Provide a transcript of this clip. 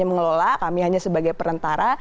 kami pengelola kami hanya sebagai perantara